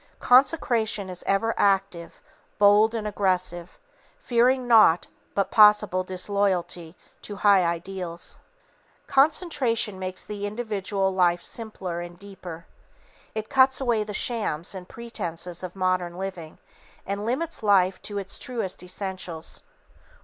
Consecration is ever active, bold and aggressive, fearing naught but possible disloyalty to high ideals. Concentration makes the individual life simpler and deeper. It cuts away the shams and pretences of modern living and limits life to its truest essentials.